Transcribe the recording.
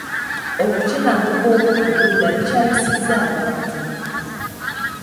Okukinagguka oba okuduula bikyayisizza abantu.